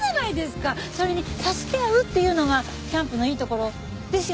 それに助け合うっていうのがキャンプのいいところですよね？